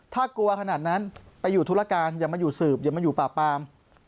ถ้ากลัวขนาดนั้นไปอยู่ธุรการอย่ามาอยู่สืบอย่ามาอยู่ป่าปาม